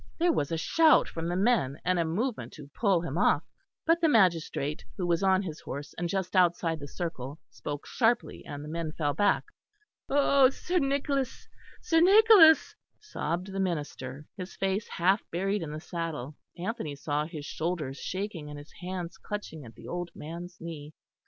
There was a shout from the men and a movement to pull him off, but the magistrate who was on his horse and just outside the circle spoke sharply, and the men fell back. "Oh, Sir Nicholas, Sir Nicholas," sobbed the minister, his face half buried in the saddle. Anthony saw his shoulders shaking, and his hands clutching at the old man's knee.